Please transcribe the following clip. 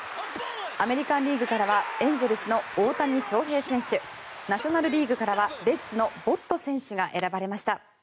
アメリカン・リーグからはエンゼルスの大谷翔平選手ナショナル・リーグからはレッズのヴォット選手が選ばれました。